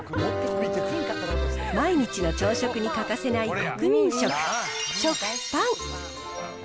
毎日の朝食に欠かせない国民食、食パン。